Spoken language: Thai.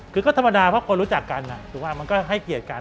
คือก็ธรรมดาเพราะคนรู้จักกันถูกป่ะมันก็ให้เกียรติกัน